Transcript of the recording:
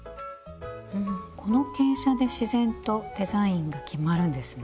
この傾斜で自然とデザインが決まるんですね。